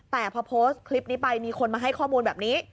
แต่พอโพสต์คลิปนี้ไปมีคนมาให้ข้อมูลแบบนี้